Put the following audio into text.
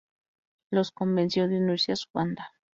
Lo convenció de unirse a su banda.